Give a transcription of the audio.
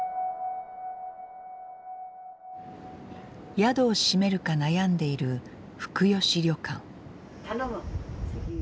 宿を閉めるか悩んでいる頼む。